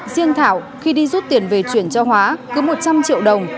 riêng thảo khi đi rút tiền về chuyển cho hóa cứ một trăm linh triệu đồng